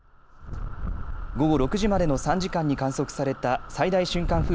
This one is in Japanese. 午後６時までの３時間に観測された最大瞬間